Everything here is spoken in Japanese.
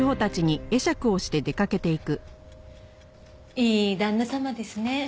いい旦那様ですね。